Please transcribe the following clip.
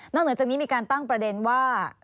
เหนือจากนี้มีการตั้งประเด็นว่า